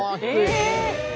え！